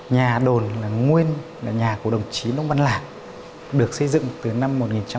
nhà đồn là nguyên nhà của đồng chí đông văn lạc được xây dựng từ năm một nghìn chín trăm bốn mươi